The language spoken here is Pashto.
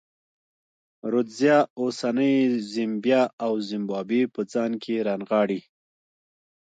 رودزیا اوسنۍ زیمبیا او زیمبابوې په ځان کې رانغاړي.